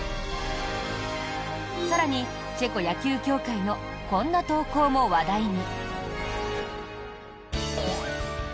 更に、チェコ野球協会のこんな投稿も話題に。